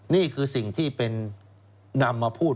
นี่คือสิ่งที่เป็นนำมาพูด